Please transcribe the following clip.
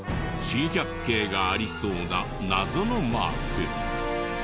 珍百景がありそうな謎のマーク。